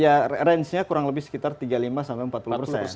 ya range nya kurang lebih sekitar tiga puluh lima sampai empat puluh persen